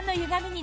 に